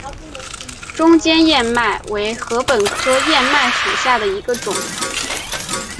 中间雀麦为禾本科雀麦属下的一个种。